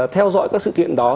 theo dõi các sự kiện đó